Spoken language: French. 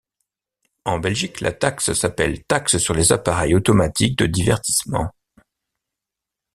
En Belgique, la taxe s'appelle taxe sur les appareils automatiques de divertissement.